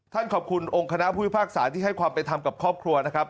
ขอบคุณองค์คณะผู้พิพากษาที่ให้ความเป็นธรรมกับครอบครัวนะครับ